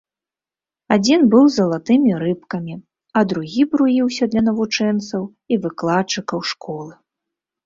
Адзін быў з залатымі рыбкамі, а другі бруіўся для навучэнцаў і выкладчыкаў школы.